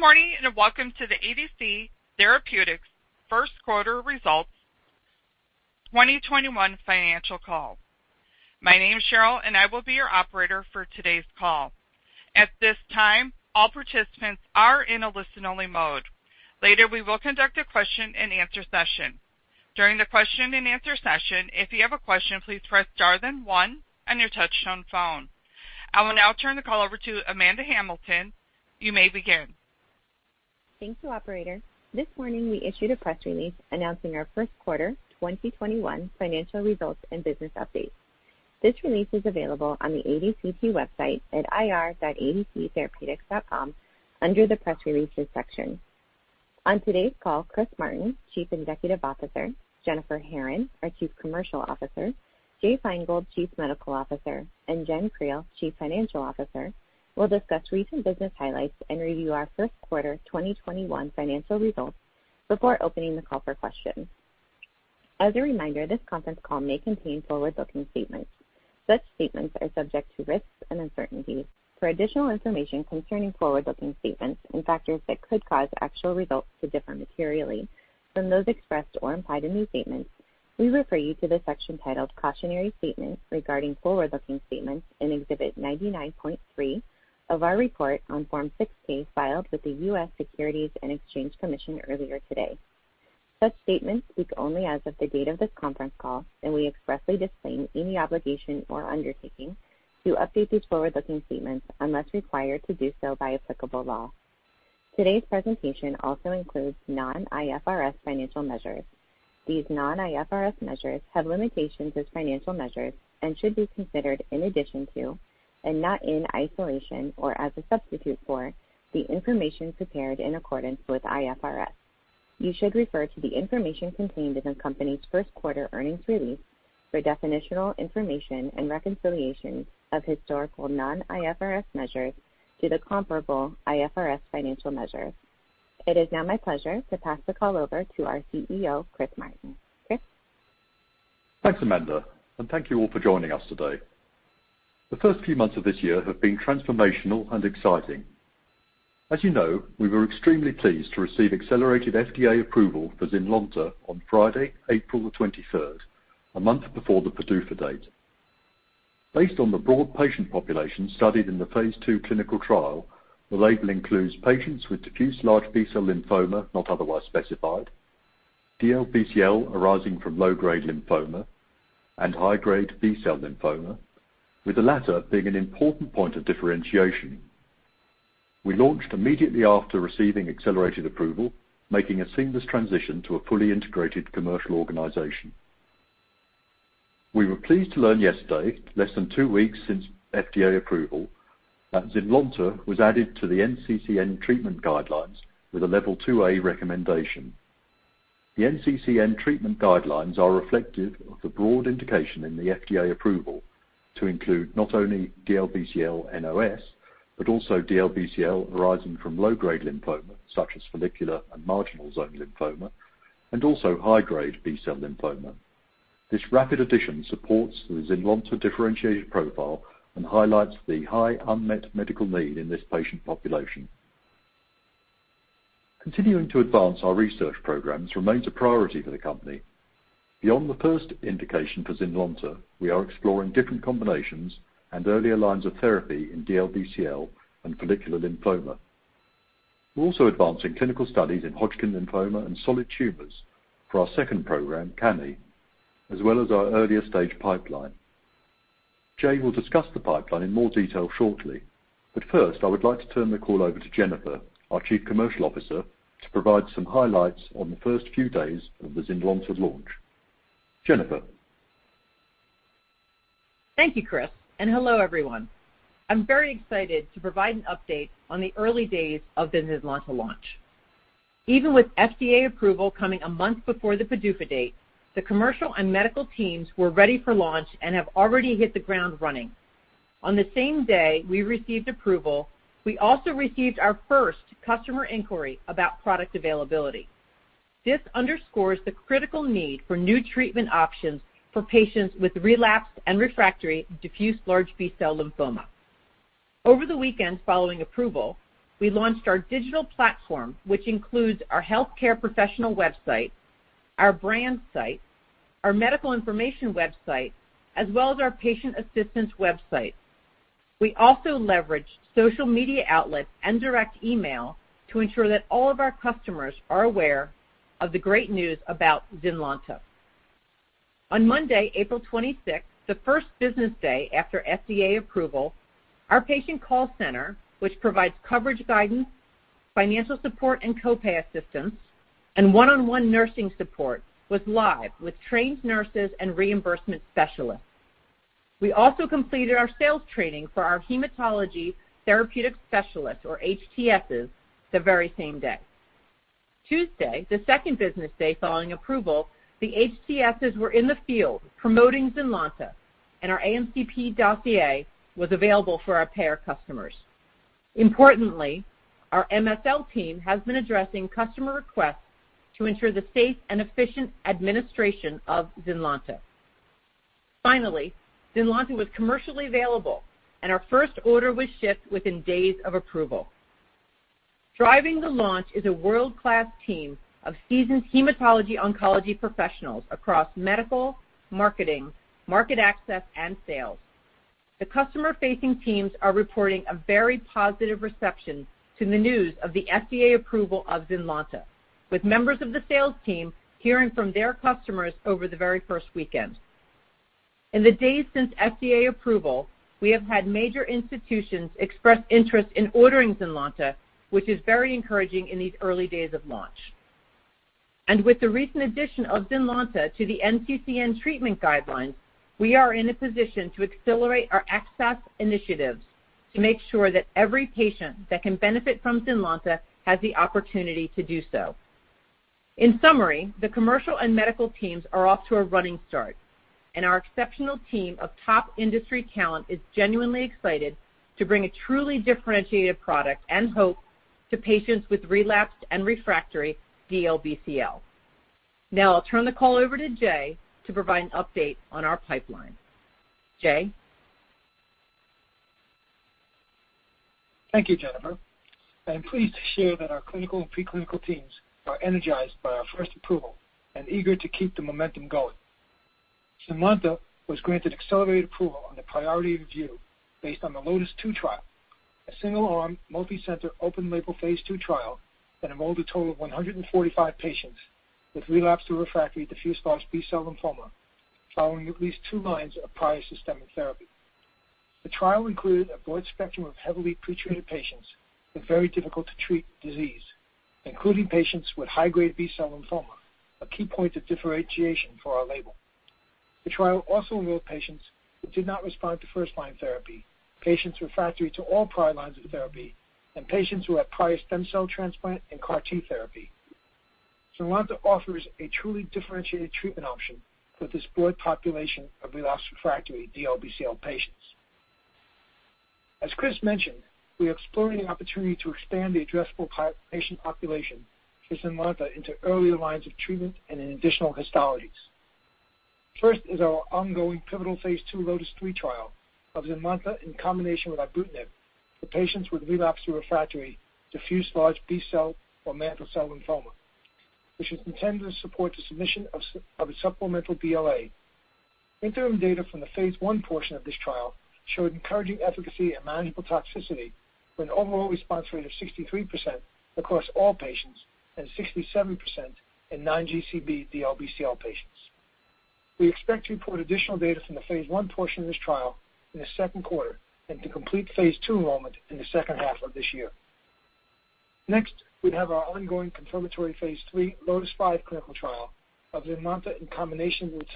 Good morning, and welcome to the ADC Therapeutics' first quarter results 2021 financial call. My name is Cheryl, and I will be your operator for today's call. At this time, all participants are in a listen-only mode. Later, we will conduct a question and answer session. During the question and answer session, if you have a question, please press star then one on your touchtone phone. I will now turn the call over to Amanda Hamilton. You may begin. Thank you, operator. This morning, we issued a press release announcing our first quarter 2021 financial results and business update. This release is available on the ADCT website at ir.adctherapeutics.com under the Press Releases section. On today's call, Chris Martin, Chief Executive Officer, Jennifer Herron, our Chief Commercial Officer, Jay Feingold, Chief Medical Officer, and Jennifer Creel, Chief Financial Officer, will discuss recent business highlights and review our first quarter 2021 financial results before opening the call for questions. As a reminder, this conference call may contain forward-looking statements. Such statements are subject to risks and uncertainties. For additional information concerning forward-looking statements and factors that could cause actual results to differ materially from those expressed or implied in these statements, we refer you to the section titled Cautionary Statement Regarding Forward-Looking Statements in Exhibit 99.3 of our report on Form 6-K, filed with the U.S. Securities and Exchange Commission earlier today. Such statements speak only as of the date of this conference call, and we expressly disclaim any obligation or undertaking to update these forward-looking statements unless required to do so by applicable law. Today's presentation also includes non-IFRS financial measures. These non-IFRS measures have limitations as financial measures and should be considered in addition to, and not in isolation or as a substitute for, the information prepared in accordance with IFRS. You should refer to the information contained in the company's first quarter earnings release for definitional information and reconciliations of historical non-IFRS measures to the comparable IFRS financial measures. It is now my pleasure to pass the call over to our CEO, Chris Martin. Chris? Thanks, Amanda, and thank you all for joining us today. The first few months of this year have been transformational and exciting. As you know, we were extremely pleased to receive accelerated FDA approval for ZYNLONTA on Friday, April 23rd, a month before the PDUFA date. Based on the broad patient population studied in the phase II clinical trial, the label includes patients with diffuse large B-cell lymphoma, not otherwise specified, DLBCL arising from low-grade lymphoma and high-grade B-cell lymphoma, with the latter being an important point of differentiation. We launched immediately after receiving accelerated approval, making a seamless transition to a fully integrated commercial organization. We were pleased to learn yesterday, less than two weeks since FDA approval, that ZYNLONTA was added to the NCCN treatment guidelines with a Level 2A recommendation. The NCCN treatment guidelines are reflective of the broad indication in the FDA approval to include not only DLBCL NOS, but also DLBCL arising from low-grade lymphoma, such as follicular and marginal zone lymphoma, and also high-grade B-cell lymphoma. This rapid addition supports the ZYNLONTA differentiated profile and highlights the high unmet medical need in this patient population. Continuing to advance our research programs remains a priority for the company. Beyond the first indication for ZYNLONTA, we are exploring different combinations and earlier lines of therapy in DLBCL and follicular lymphoma. We're also advancing clinical studies in Hodgkin lymphoma and solid tumors for our second program, Cami, as well as our earlier stage pipeline. Jay will discuss the pipeline in more detail shortly. First, I would like to turn the call over to Jennifer, our Chief Commercial Officer, to provide some highlights on the first few days of the ZYNLONTA launch. Jennifer? Thank you, Chris. Hello, everyone. I'm very excited to provide an update on the early days of the ZYNLONTA launch. Even with FDA approval coming a month before the PDUFA date, the commercial and medical teams were ready for launch and have already hit the ground running. On the same day we received approval, we also received our first customer inquiry about product availability. This underscores the critical need for new treatment options for patients with relapsed and refractory diffuse large B-cell lymphoma. Over the weekend following approval, we launched our digital platform, which includes our healthcare professional website, our brand site, our medical information website, as well as our patient assistance website. We also leveraged social media outlets and direct email to ensure that all of our customers are aware of the great news about ZYNLONTA. On Monday, April 26, 2021, the first business day after FDA approval, our patient call center, which provides coverage guidance, financial support, and co-pay assistance, and one-on-one nursing support, was live with trained nurses and reimbursement specialists. We also completed our sales training for our hematology therapeutic specialists, or HTSs, the very same day. Tuesday, the second business day following approval, the HTSs were in the field promoting ZYNLONTA, and our AMCP dossier was available for our payer customers. Importantly, our MSL team has been addressing customer requests to ensure the safe and efficient administration of ZYNLONTA. Finally, ZYNLONTA was commercially available, and our first order was shipped within days of approval. Driving the launch is a world-class team of seasoned hematology oncology professionals across medical, marketing, market access, and sales. The customer-facing teams are reporting a very positive reception to the news of the FDA approval of ZYNLONTA, with members of the sales team hearing from their customers over the very first weekend. In the days since FDA approval, we have had major institutions express interest in ordering ZYNLONTA, which is very encouraging in these early days of launch. With the recent addition of ZYNLONTA to the NCCN treatment guidelines, we are in a position to accelerate our access initiatives to make sure that every patient that can benefit from ZYNLONTA has the opportunity to do so. In summary, the commercial and medical teams are off to a running start, and our exceptional team of top industry talent is genuinely excited to bring a truly differentiated product and hope to patients with relapsed and refractory DLBCL. Now I'll turn the call over to Jay to provide an update on our pipeline. Jay? Thank you, Jennifer. I am pleased to share that our clinical and preclinical teams are energized by our first approval and eager to keep the momentum going. ZYNLONTA was granted accelerated approval under priority review based on the LOTIS-2 trial, a single-arm, multicenter, open-label phase II trial that enrolled a total of 145 patients with relapsed/refractory diffuse large B-cell lymphoma following at least 2 lines of prior systemic therapy. The trial included a broad spectrum of heavily pretreated patients with very difficult-to-treat disease, including patients with high-grade B-cell lymphoma, a key point of differentiation for our label. The trial also enrolled patients who did not respond to first-line therapy, patients refractory to all prior lines of therapy, and patients who had prior stem cell transplant and CAR T therapy. ZYNLONTA offers a truly differentiated treatment option for this broad population of relapsed/refractory DLBCL patients. As Chris mentioned, we are exploring the opportunity to expand the addressable patient population for ZYNLONTA into earlier lines of treatment and in additional histologies. First is our ongoing pivotal phase II LOTIS-3 trial of ibrutinib for patients with relapsed/refractory diffuse large B-cell or mantle cell lymphoma, which is intended to support the submission of a supplemental BLA. Interim data from the Phase I portion of this trial showed encouraging efficacy and manageable toxicity with an overall response rate of 63% across all patients and 67% in non-GCB DLBCL patients. We expect to report additional data from the Phase I portion of this trial in the second quarter and to complete phase II enrollment in the second half of this year. Next, we have our ongoing confirmatory phase III LOTIS-5 clinical trial of ZYNLONTA in combination with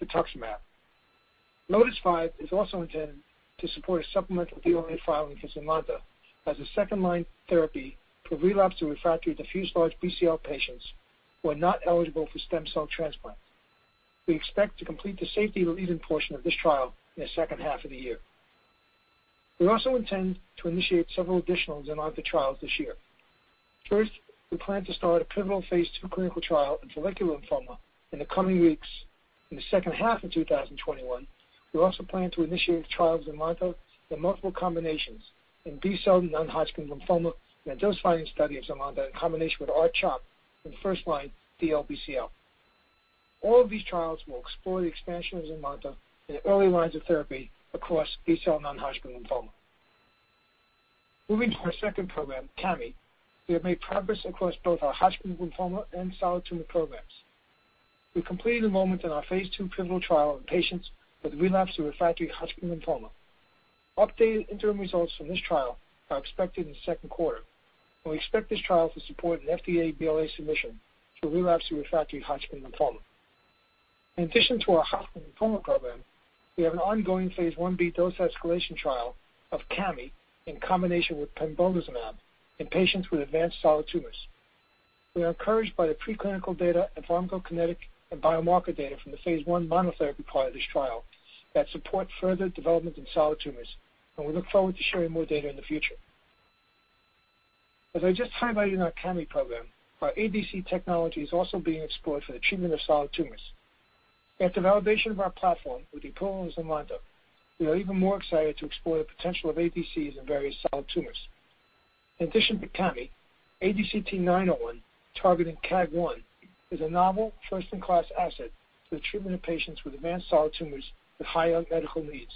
rituximab. LOTIS-5 is also intended to support a supplemental BLA filing for ZYNLONTA as a second-line therapy for relapsed/refractory DLBCL patients who are not eligible for stem cell transplant. We expect to complete the safety lead-in portion of this trial in the second half of the year. We also intend to initiate several additional ZYNLONTA trials this year. First, we plan to start a pivotal phase II clinical trial in follicular lymphoma in the coming weeks. In the second half of 2021, we also plan to initiate trials of ZYNLONTA in multiple combinations in B-cell non-Hodgkin lymphoma and a dose-finding study of ZYNLONTA in combination with R-CHOP in first-line DLBCL. All of these trials will explore the expansion of ZYNLONTA in early lines of therapy across B-cell non-Hodgkin lymphoma. Moving to our second program, Cami, we have made progress across both our Hodgkin lymphoma and solid tumor programs. We completed enrollment in our phase II pivotal trial in patients with relapsed/refractory Hodgkin lymphoma. Updated interim results from this trial are expected in the second quarter. We expect this trial to support an FDA BLA submission for relapsed/refractory Hodgkin lymphoma. In addition to our Hodgkin lymphoma program, we have an ongoing phase I-B dose escalation trial of Cami in combination with pembrolizumab in patients with advanced solid tumors. We are encouraged by the preclinical data and pharmacokinetic and biomarker data from the phase I monotherapy part of this trial that support further development in solid tumors. We look forward to sharing more data in the future. As I just highlighted in our Cami program, our ADC technology is also being explored for the treatment of solid tumors. After validation of our platform with the approval of ZYNLONTA, we are even more excited to explore the potential of ADCs in various solid tumors. In addition to Cami, ADCT-901, targeting KAAG1, is a novel first-in-class asset for the treatment of patients with advanced solid tumors with high unmet medical needs.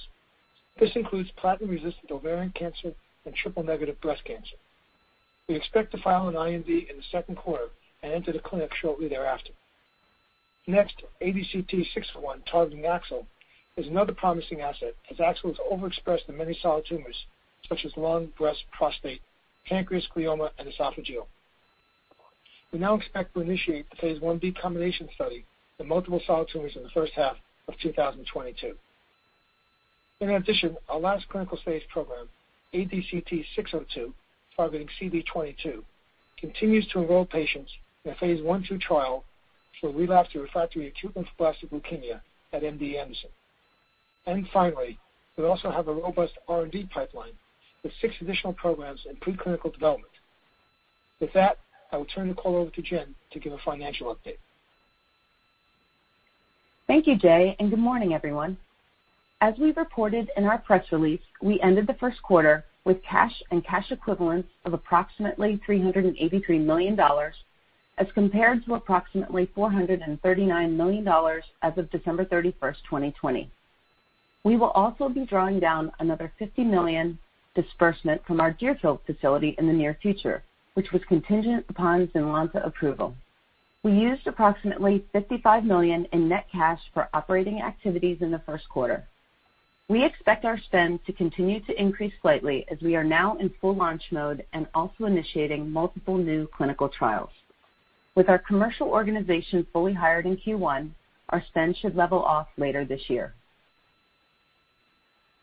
This includes platinum-resistant ovarian cancer and triple-negative breast cancer. We expect to file an IND in the second quarter and enter the clinic shortly thereafter. Next, ADCT-601, targeting AXL, is another promising asset, as AXL is overexpressed in many solid tumors, such as lung, breast, prostate, pancreas, glioma, and esophageal. We now expect to initiate the phase I-B combination study in multiple solid tumors in the first half of 2022. In addition, our last clinical stage program, ADCT-602, targeting CD22, continues to enroll patients in a phase I/II trial for relapsed/refractory acute lymphoblastic leukemia at MD Anderson. Finally, we also have a robust R&D pipeline with six additional programs in preclinical development. With that, I will turn the call over to Jen to give a financial update. Thank you, Jay, and good morning, everyone. As we reported in our press release, we ended the first quarter with cash and cash equivalents of approximately $383 million as compared to approximately $439 million as of December 31, 2020. We will also be drawing down another $50 million disbursement from our Deerfield facility in the near future, which was contingent upon ZYNLONTA approval. We used approximately $55 million in net cash for operating activities in the first quarter. We expect our spend to continue to increase slightly as we are now in full launch mode and also initiating multiple new clinical trials. With our commercial organization fully hired in Q1, our spend should level off later this year.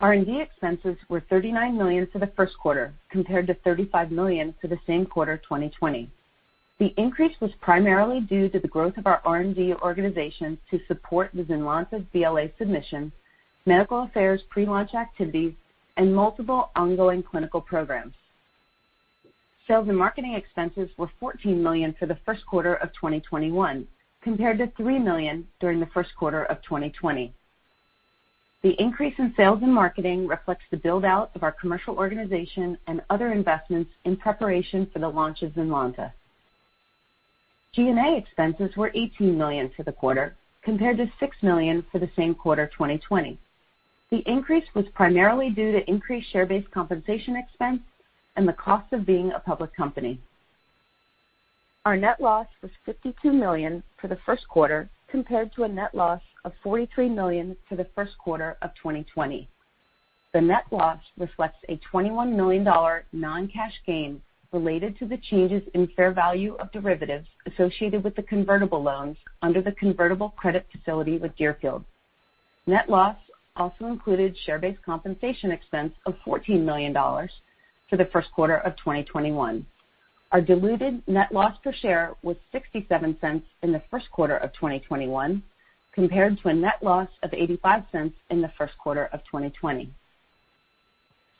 R&D expenses were $39 million for the first quarter, compared to $35 million for the same quarter 2020. The increase was primarily due to the growth of our R&D organization to support the ZYNLONTA BLA submission, medical affairs pre-launch activities, and multiple ongoing clinical programs. Sales and marketing expenses were $14 million for the first quarter of 2021, compared to $3 million during the first quarter of 2020. The increase in sales and marketing reflects the build-out of our commercial organization and other investments in preparation for the launch of ZYNLONTA. G&A expenses were $18 million for the quarter, compared to $6 million for the same quarter 2020. The increase was primarily due to increased share-based compensation expense and the cost of being a public company. Our net loss was $52 million for the first quarter, compared to a net loss of $43 million for the first quarter of 2020. The net loss reflects a $21 million non-cash gain related to the changes in fair value of derivatives associated with the convertible loans under the convertible credit facility with Deerfield. Net loss also included share-based compensation expense of $14 million for the first quarter of 2021. Our diluted net loss per share was $0.67 in the first quarter of 2021, compared to a net loss of $0.85 in the first quarter of 2020.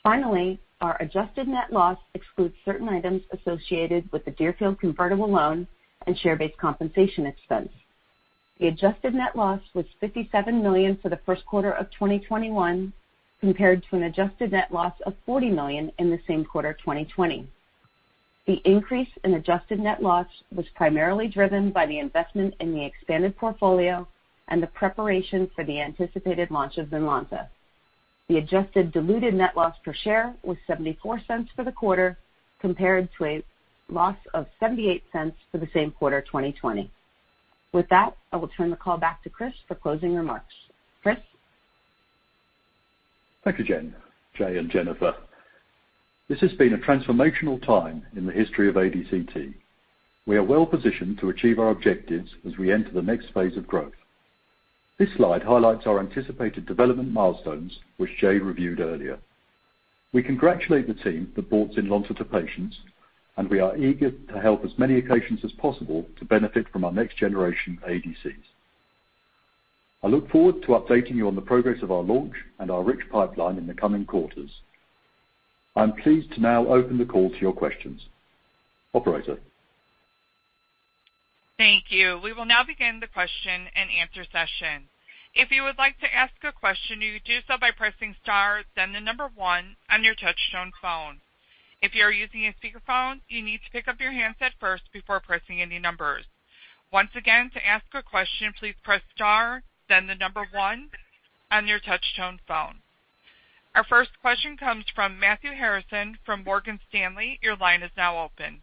Finally, our adjusted net loss excludes certain items associated with the Deerfield convertible loan and share-based compensation expense. The adjusted net loss was $57 million for the first quarter of 2021, compared to an adjusted net loss of $40 million in the same quarter 2020. The increase in adjusted net loss was primarily driven by the investment in the expanded portfolio and the preparation for the anticipated launch of ZYNLONTA. The adjusted diluted net loss per share was $0.74 for the quarter, compared to a loss of $0.78 for the same quarter 2020. With that, I will turn the call back to Chris for closing remarks. Chris? Thank you, Jen, Jay, and Jennifer. This has been a transformational time in the history of ADCT. We are well-positioned to achieve our objectives as we enter the next phase of growth. This slide highlights our anticipated development milestones, which Jay reviewed earlier. We congratulate the team that brought ZYNLONTA to patients, and we are eager to help as many patients as possible to benefit from our next-generation ADCs. I look forward to updating you on the progress of our launch and our rich pipeline in the coming quarters. I'm pleased to now open the call to your questions. Operator? Thank you. We will now begin the question and answer session. If you would like to ask a question, you do so by pressing star then the number one on your touchtone phone. If you are using a speakerphone, you need to pick up your handset first before pressing any numbers. Once again, to ask a question, please press star then the number one on your touchtone phone. Our first question comes from Matthew Harrison from Morgan Stanley. Your line is now open.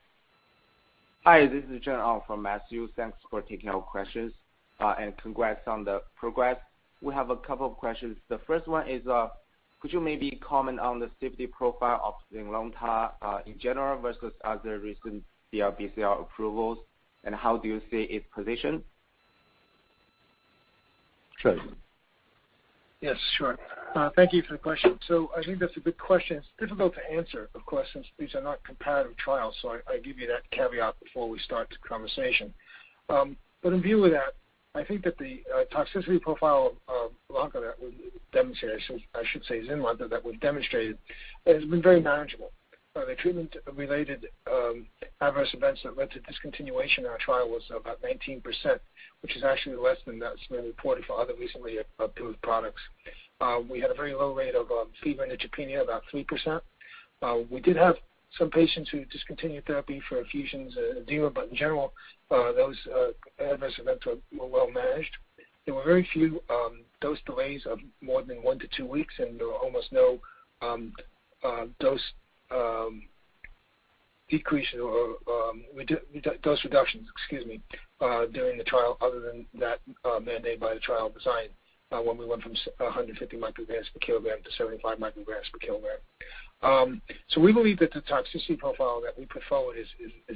Hi, this is Zhen from Matthew. Thanks for taking our questions and congrats on the progress. We have a couple of questions. The first one is could you maybe comment on the safety profile of ZYNLONTA in general versus other recent DLBCL approvals, and how do you see its position? Jay? Yes, sure. Thank you for the question. I think that's a good question. It's difficult to answer, of course, since these are not comparative trials. I give you that caveat before we start the conversation. In view of that, I think that the toxicity profile of Blanca that was demonstrated, I should say ZYNLONTA that was demonstrated, has been very manageable. The treatment-related adverse events that led to discontinuation in our trial was about 19%, which is actually less than that's been reported for other recently approved products. We had a very low rate of febrile neutropenia, about 3%. We did have some patients who discontinued therapy for effusions edema, in general, those adverse events were well managed. There were very few dose delays of more than one to two weeks, there were almost no dose reductions during the trial other than that mandated by the trial design when we went from 150 micrograms per kilogram to 75 micrograms per kilogram. We believe that the toxicity profile that we put forward is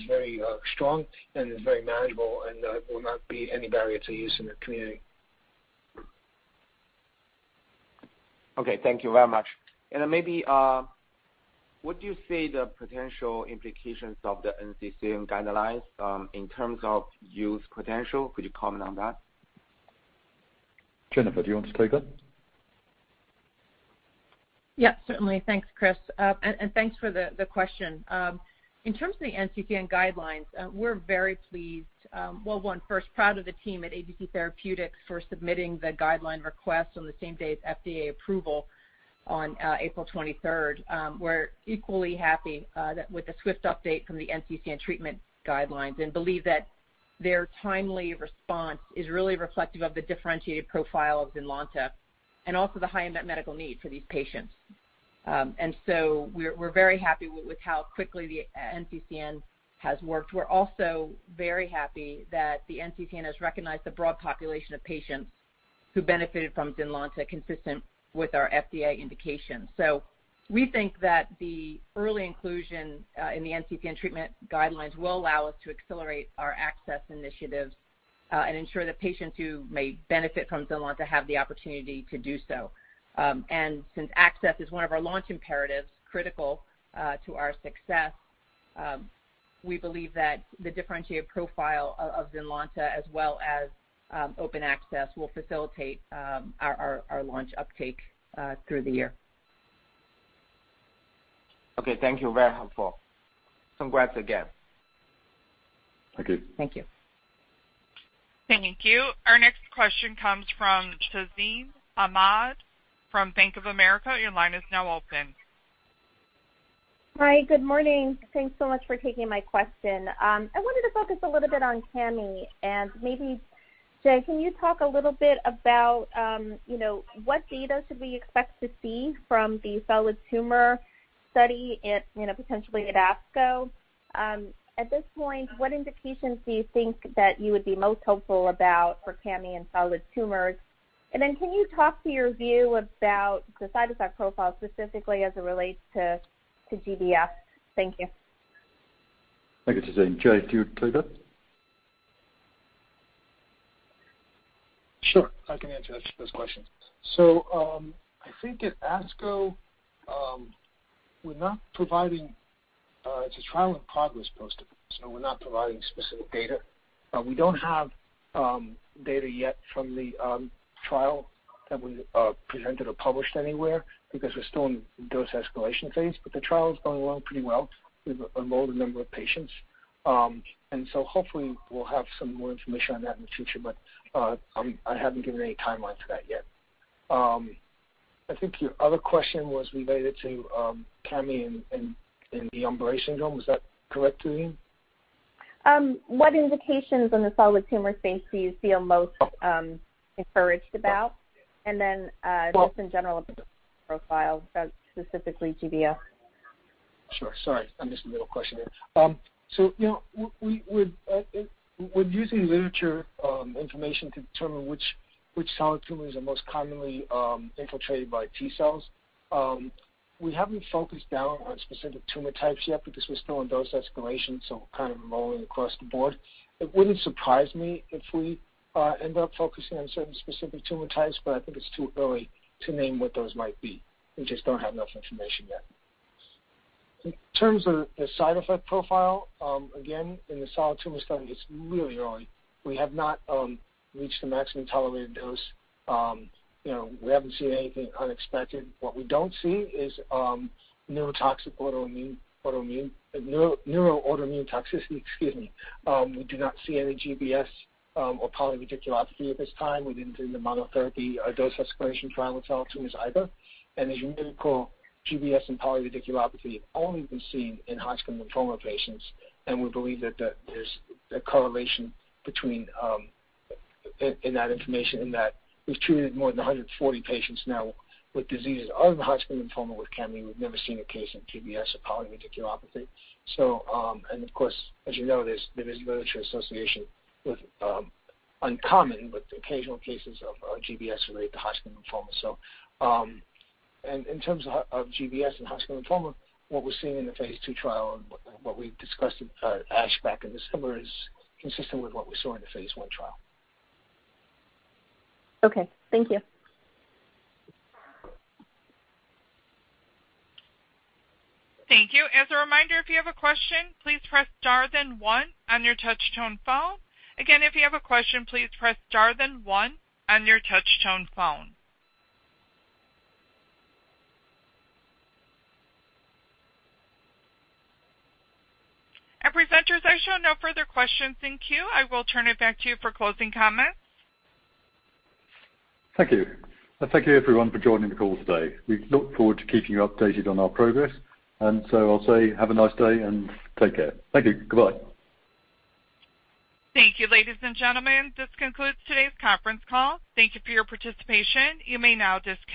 very strong and is very manageable and will not be any barrier to use in the community. Okay, thank you very much. What do you see the potential implications of the NCCN guidelines in terms of use potential? Could you comment on that? Jennifer, do you want to take that? Yes, certainly. Thanks, Chris, and thanks for the question. In terms of the NCCN guidelines, we're very pleased. Well, one first, proud of the team at ADC Therapeutics for submitting the guideline request on the same day as FDA approval on April 23rd. We're equally happy with the swift update from the NCCN treatment guidelines and believe that their timely response is really reflective of the differentiated profile of ZYNLONTA and also the high unmet medical need for these patients. We're very happy with how quickly the NCCN has worked. We're also very happy that the NCCN has recognized the broad population of patients who benefited from ZYNLONTA, consistent with our FDA indication. We think that the early inclusion in the NCCN treatment guidelines will allow us to accelerate our access initiatives, and ensure that patients who may benefit from ZYNLONTA have the opportunity to do so. Since access is one of our launch imperatives, critical to our success, we believe that the differentiated profile of ZYNLONTA as well as open access will facilitate our launch uptake through the year. Okay. Thank you. Very helpful. Congrats again. Thank you. Thank you. Our next question comes from Tazeen Ahmad from Bank of America. Your line is now open. Hi. Good morning. Thanks so much for taking my question. I wanted to focus a little bit on Cami and maybe, Jay, can you talk a little bit about what data should we expect to see from the solid tumor study potentially at ASCO? At this point, what indications do you think that you would be most hopeful about for Cami and solid tumors? Then can you talk to your view about the side effect profile specifically as it relates to GBS? Thank you. Thank you, Tazeen. Jay, can you take that? Sure. I can answer those questions. I think at ASCO, it's a trial in progress poster, so we're not providing specific data. We don't have data yet from the trial that we presented or published anywhere because we're still in the dose escalation phase. The trial's going along pretty well. We've enrolled a number of patients. Hopefully we'll have some more information on that in the future. I haven't given any timeline for that yet. I think your other question was related to Cami in the Richter's syndrome, was that correct, Tazeen? What indications in the solid tumor space do you feel most encouraged about? Just in general about the profile, specifically GBS? Sure. Sorry. I missed the middle question there. We're using literature information to determine which solid tumors are most commonly infiltrated by T-cells. We haven't focused down on specific tumor types yet because we're still in dose escalation, so we're kind of rolling across the board. It wouldn't surprise me if we end up focusing on certain specific tumor types, but I think it's too early to name what those might be. We just don't have enough information yet. In terms of the side effect profile, again, in the solid tumor study, it's really early. We have not reached the maximum tolerated dose. We haven't seen anything unexpected. What we don't see is neuro-autoimmune toxicity. Excuse me. We do not see any GBS or polyradiculopathy at this time. We didn't do the monotherapy or dose escalation trial with solid tumors either. As you may recall, GBS and polyradiculopathy have only been seen in Hodgkin lymphoma patients, and we believe that there's a correlation in that information in that we've treated more than 140 patients now with diseases other than Hodgkin lymphoma with Cami. We've never seen a case of GBS or polyradiculopathy. Of course, as you know, there is literature association with uncommon, but occasional cases of GBS related to Hodgkin lymphoma. In terms of GBS and Hodgkin lymphoma, what we're seeing in the phase II trial and what we've discussed at ASH back in December is consistent with what we saw in the phase I trial. Okay. Thank you. Thank you. As a reminder, if you have a question, please press star then one on your touch tone phone. Again, if you have a question, please press star then one on your touch tone phone. Presenters, I show no further questions in queue. I will turn it back to you for closing comments. Thank you. Thank you everyone for joining the call today. We look forward to keeping you updated on our progress. I'll say have a nice day and take care. Thank you. Goodbye. Thank you, ladies and gentlemen. This concludes today's conference call. Thank you for your participation. You may now disconnect.